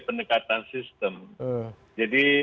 pendekatan sistem jadi